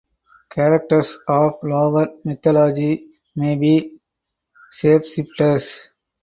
Characters of lower mythology may be shapeshifters.